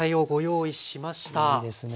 いいですね。